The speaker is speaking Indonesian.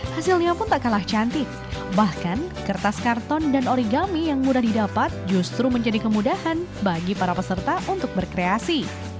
hasilnya pun tak kalah cantik bahkan kertas karton dan origami yang mudah didapat justru menjadi kemudahan bagi para peserta untuk berkreasi